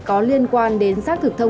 có liên quan đến sát thực thẩm